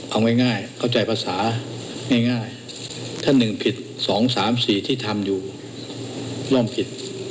เอาง่ายเข้าใจภาษาง่ายถ้า๑ผิด๒๓๔ที่ทำอยู่ร่วมผิด